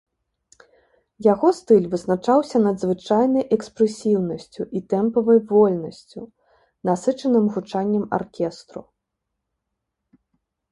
Яго стыль вызначаўся надзвычайнай экспрэсіўнасцю і тэмпавай вольнасцю, насычаным гучаннем аркестру.